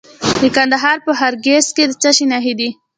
د کندهار په خاکریز کې د څه شي نښې دي؟